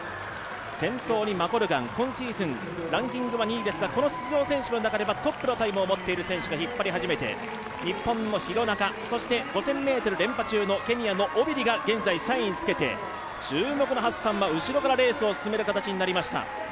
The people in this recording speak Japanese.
先頭にマコルガン、今シーズンランキングは２位ですがこの出場選手の中ではトップのタイムを持っている選手が引っ張り始めて日本の廣中、そして５０００ｍ連覇中のケニアのオビリが現在３位につけて注目のハッサンは後ろからレースを進める形となりました。